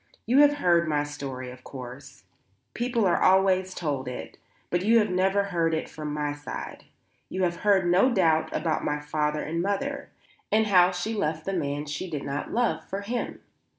"You have heard my story, of course; people are always told it; but you have never heard it from my side. You have heard no doubt about my father and mother, and how she left the man she did not love for him.